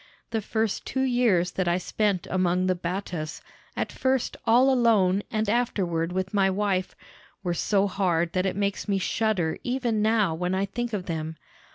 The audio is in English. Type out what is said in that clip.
The first two years that I spent among the Battas, at first all alone and afterward with my wife, were so hard that it makes me shudder even now when I think of them.